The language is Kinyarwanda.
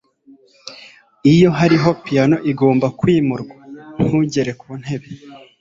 iyo hariho piyano igomba kwimurwa, ntugere kuntebe